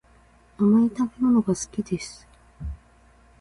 甘い食べ物が好きです